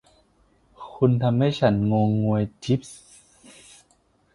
คุณทำให้ฉันงงงวย จี๊ปส์